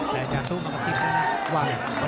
แต่จากตู้มันก็ซิบแล้วนะว่าไง